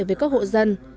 với các hộ dân